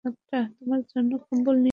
তোমার জন্য কম্বল নিয়ে আসি।